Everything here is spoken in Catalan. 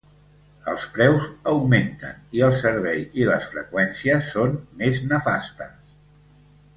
Els preus augmenten i el servei i les freqüències són més nefastes.